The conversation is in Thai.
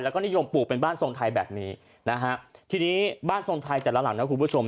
แล้วก็นิยมปลูกเป็นบ้านทรงไทยแบบนี้นะฮะทีนี้บ้านทรงไทยแต่ละหลังนะคุณผู้ชม